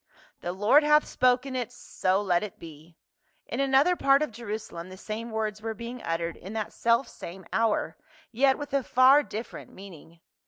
"The Lord hath spoken it, so let it be !" In another part of Jerusalem the same words were being uttered in that selfsame hour, yet with a far dif ferent meaning.